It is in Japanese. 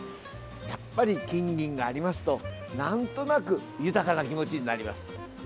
やっぱり金銀がありますとなんとなく豊かな気持ちになります。